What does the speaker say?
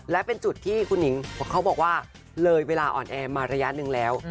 และเป็นจุดที่คุณหนิงเขาบอกว่าเลยเวลาอ่อนแอมาระยะหนึ่งแล้ว